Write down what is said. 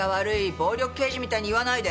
暴力刑事みたいに言わないで！